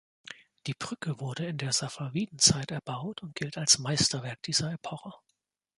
Die Brücke wurde in der Safawiden-Zeit erbaut und gilt als Meisterwerk dieser Epoche.